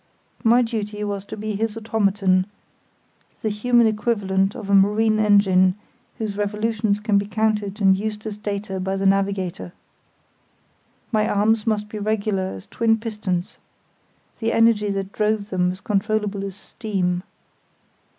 My duty was to be his automaton, the human equivalent of a marine engine whose revolutions can be counted and used as data by the navigator. My arms must be regular as twin pistons; the energy that drove them as controllable as steam.